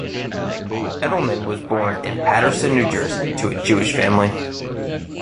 Edelman was born in Paterson, New Jersey, to a Jewish family.